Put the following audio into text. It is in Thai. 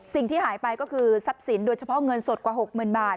สิ่งที่หายไปก็คือทรัพย์สินโดยเฉพาะเงินสดกว่า๖๐๐๐บาท